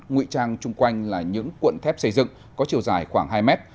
ngụy trang chung quanh là những cuộn thép xây dựng có chiều dài khoảng hai mét